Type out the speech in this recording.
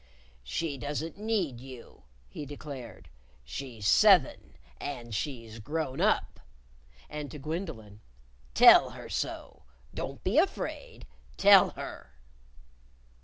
"She doesn't need you," he declared "She's seven, and she's grown up." And to Gwendolyn, "Tell her so! Don't be afraid! Tell her!"